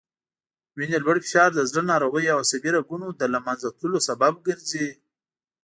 وینې لوړ فشار د زړه ناروغیو او عصبي رګونو له منځه تللو سبب ګرځي